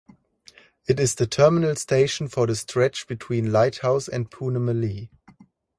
It is the terminal station for the stretch between Lighthouse and Poonamallee.